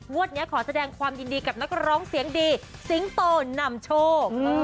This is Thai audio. วันนี้ขอแสดงความยินดีกับนักร้องเสียงดีสิงโตนำโชค